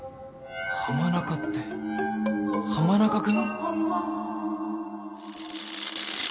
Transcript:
浜中って浜中君？